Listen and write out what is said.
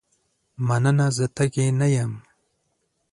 مننه زه تږې نه یم.